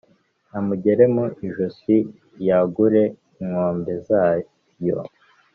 amugere mu ijosi, yagure inkombe zayo